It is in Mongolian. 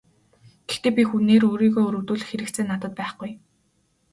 Гэхдээ би хүнээр өөрийгөө өрөвдүүлэх хэрэгцээ надад байхгүй.